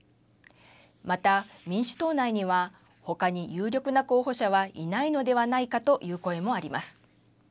また民主党内にはほかに有力な候補者はいないのではないかという声もあります。